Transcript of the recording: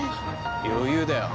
余裕だよ